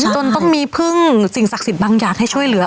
จนต้องมีพึ่งสิ่งศักดิ์สิทธิ์บางอย่างให้ช่วยเหลือ